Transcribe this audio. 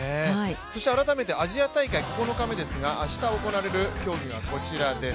改めてアジア大会９日目明日行われる競技がこちらです。